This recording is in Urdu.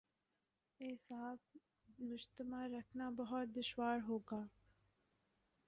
اعصاب مجتمع رکھنا بہت دشوار ہو گا۔